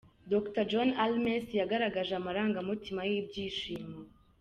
Dr John Armes, yagaragaje amarangamutima y’ibyishimo.